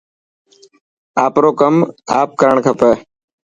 آپرو ڪم آپ ڪرڻ کپي.